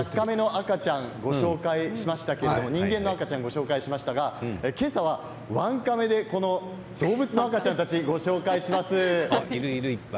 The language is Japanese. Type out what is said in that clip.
赤ちゃんをご紹介しましたけれども人間の赤ちゃんをご紹介しましたが今朝はワンカメで動物の赤ちゃんたちをいるいる、いっぱい。